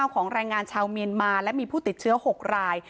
ของแรงงานชาวเมียนมาและมีผู้ติดเชื้อ๖ราย